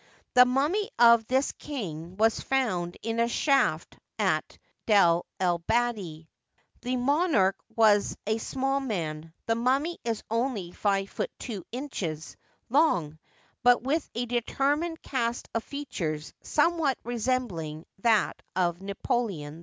The mummy of this kine was found in a shaft at D6r el bahiri. The monarch was a small man — the mummy is only five feet two inches long — ^but with a determined cast of features, somewhat resembling that of Napoleon I.